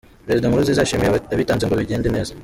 Perezida Nkurunziza yashimiye abitanze ngo bigende neza.